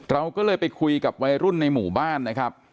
เราก็เลยไปคุยกับวัยรุ่นในหมู่บ้านนะครับ